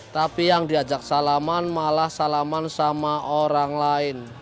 tapi yang diajak salaman malah salaman sama orang lain